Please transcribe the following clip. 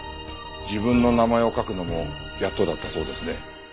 自分の名前を書くのもやっとだったそうですね。